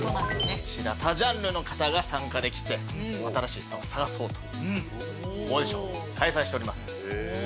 多ジャンルの方が参加できて新しいスターを探そうとオーディションを開催しております。